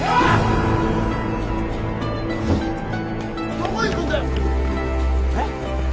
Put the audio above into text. どこ行くんだよえっ？